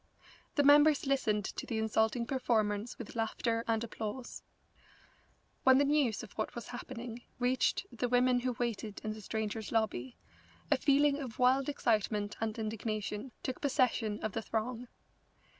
The members listened to the insulting performance with laughter and applause. When news of what was happening reached the women who waited in the Strangers' Lobby, a feeling of wild excitement and indignation took possession of the throng.